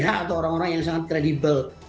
hak atau orang orang yang sangat kredibel